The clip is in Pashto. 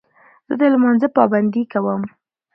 زه د لمانځه پابندي کوم.